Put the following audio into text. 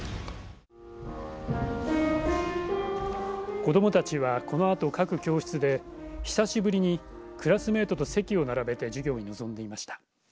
子どもたちは、このあと各教室で久しぶりにクラスメートと席を並べて授業に臨んでいました。